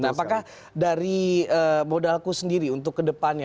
nah apakah dari modalku sendiri untuk kedepannya